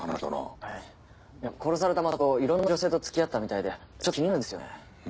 はい殺された松生いろんな女性とつきあってたみたいでちょっと気になるんですよね。